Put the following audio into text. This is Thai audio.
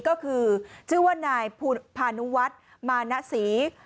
คือจิวนายภูถานุวัจร์มานะศรี